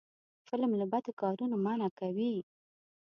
فلم له بدو کارونو منع کوي